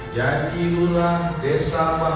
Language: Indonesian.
janji lurah desa bahagia